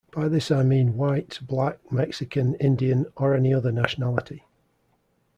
By this I mean white, black, Mexican, Indian, or any other nationality.